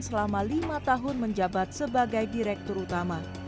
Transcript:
selama lima tahun menjabat sebagai direktur utama